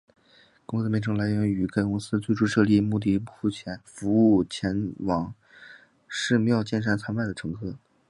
公司名称来源于该公司最初设立目的是服务前往能势妙见山参拜的乘客。